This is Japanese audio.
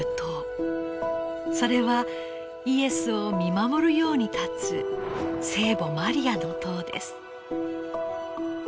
それはイエスを見守るように立つ聖母マリアの塔です。